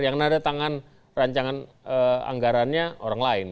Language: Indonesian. yang nada tangan rancangan anggarannya orang lain